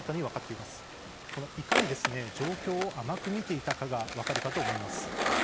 いかに状況を甘く見ていたかが分かるかと思います。